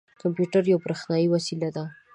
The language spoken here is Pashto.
کمپیوټر یوه بریښنايې وسیله ده.